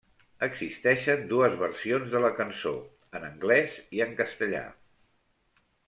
Existeixen dues versions de la cançó; en anglès i en castellà.